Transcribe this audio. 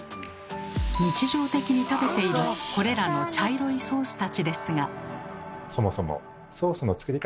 日常的に食べているこれらの茶色いソースたちですが。